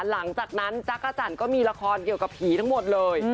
หลังจากนั้นจักรจันทร์ก็มีละครเกี่ยวกับผีทั้งหมดเลย